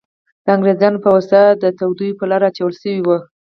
د انګریزانو په واسطه د توطیو په لار اچول شوې وې.